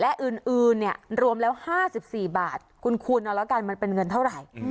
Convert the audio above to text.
และอื่นเนี่ยรวมแล้ว๕๔บาทคุณคูณเอาแล้วกันมันเป็นเงินเท่าไหร่